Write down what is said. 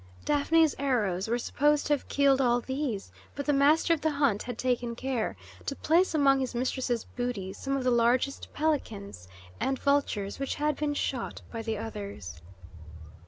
Daphne's arrows were supposed to have killed all these, but the master of the hunt had taken care to place among his mistress's booty some of the largest pelicans and vultures which had been shot by the others.